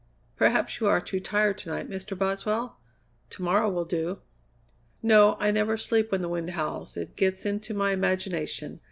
"Perhaps you are too tired to night, Mr. Boswell? To morrow will do." "No. I never sleep when the wind howls; it gets into my imagination.